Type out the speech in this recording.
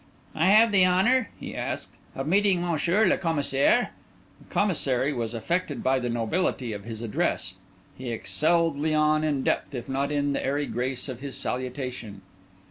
"I have the honour," he asked, "of meeting M. le Commissaire?" The Commissary was affected by the nobility of his address. He excelled Léon in the depth if not in the airy grace of his salutation.